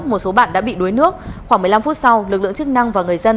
một số bạn đã bị đuối nước khoảng một mươi năm phút sau lực lượng chức năng và người dân